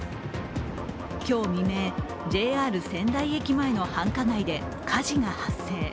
今日未明、ＪＲ仙台駅前の繁華街で火事が発生。